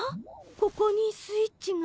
ここにスイッチが。